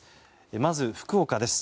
まず、福岡です。